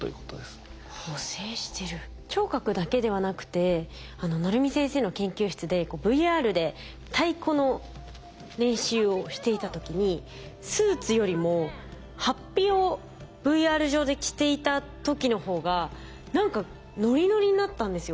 聴覚だけではなくて鳴海先生の研究室でＶＲで太鼓の練習をしていた時にスーツよりもはっぴをＶＲ上で着ていた時の方が何かノリノリになったんですよ。